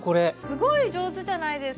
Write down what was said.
すごい上手じゃないですか。